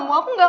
aku gak mungkin